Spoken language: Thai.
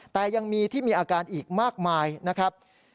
แต่ยังมีที่มีอาการอีกมากมายนะครับ